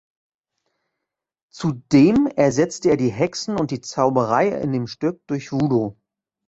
Zudem ersetzte er die Hexen und die Zauberei in dem Stück durch Voodoo.